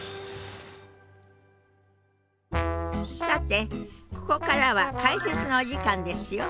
さてここからは解説のお時間ですよ。